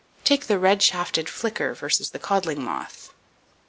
Take the Red Shafted Flicker vs. the codling moth.